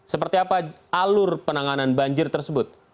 seperti apa alur penanganan banjir tersebut